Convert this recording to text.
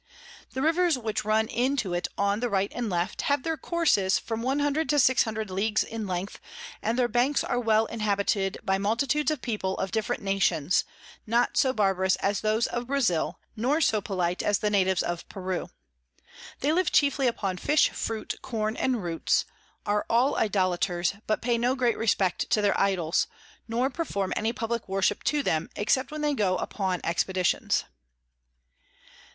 The Rivers which run into it on the right and left, have their Courses from 100 to 600 Leagues in length, and their Banks are well inhabited by multitudes of People of different Nations, not so barbarous as those of Brazile, nor so polite as the Natives of Peru. They live chiefly upon Fish, Fruit, Corn and Roots; are all Idolaters, but pay no great Respect to their Idols, nor perform any publick Worship to them, except when they go upon Expeditions.